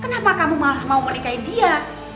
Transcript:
kenapa kamu malah mau menikahi dia